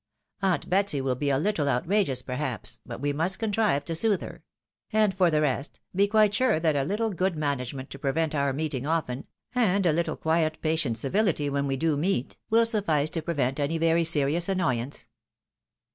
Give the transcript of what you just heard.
Aunt Betsy will be a httle outrageous, perhaps, but we must contrive to soothe her ; and for the rest, be quite sure that a little good manage ment to prevent our meeting often, and a httle quiet, patient MRS. HUBERT FEAES CONTAGION. 115 civility when we do meet, will suffice to prevent any very serious annoyance."